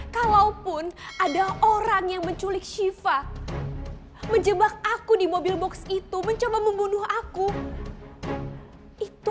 kalaupun ada orang yang menculik shiva menjebak aku di mobil box itu mencoba membunuh aku itu